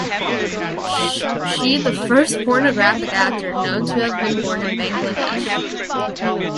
She the first pornographic actor known to have been born in Bangladesh.